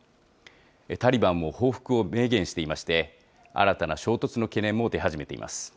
タリバンも報復を明言していまして、新たな衝突の懸念も出始めています。